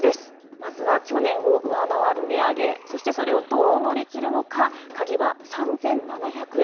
まずは去年を上回る値上げ、そして、それをどう乗り切るのか、鍵は３７００円。